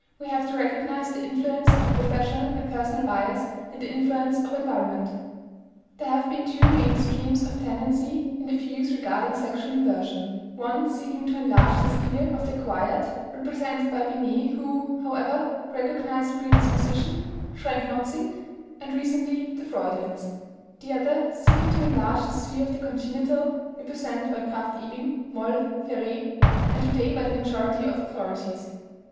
We have to recognize the influence of professional and personal bias and the influence of environment. There have been two main streams of tendency in the views regarding sexual inversion: one seeking to enlarge the sphere of the acquired (represented by Binet, who, however, recognized predisposition, Schrenck Notzing, and recently the Freudians), the other seeking to enlarge the sphere of the congenital (represented by Krafft Ebing, Moll, Féré, and today by the majority of authorities).